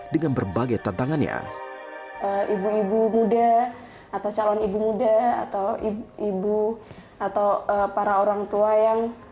dengan berbagai tantangannya ibu ibu muda atau calon ibu muda atau ibu atau para orangtua yang